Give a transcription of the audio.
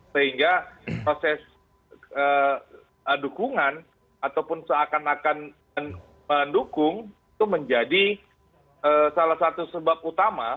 sehingga proses dukungan ataupun seakan akan mendukung itu menjadi salah satu sebab utama